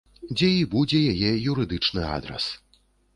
Дзе і будзе яе юрыдычны адрас.